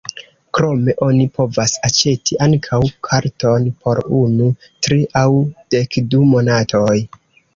Krome oni povas aĉeti ankaŭ karton por unu, tri aŭ dekdu monatoj.